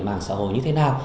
mạng xã hội như thế nào